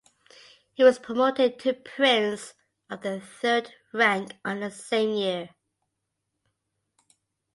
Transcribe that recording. He was promoted to Prince of the Third Rank on the same year.